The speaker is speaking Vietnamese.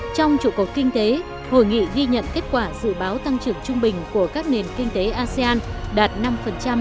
trong chủ cột kinh tế hội nghị ghi nhận kết quả dự báo tăng trưởng trung bình của các nền kinh tế asean đạt năm năm hai nghìn một mươi bảy